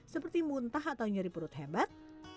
seperti muntah atau nyeri perut hebat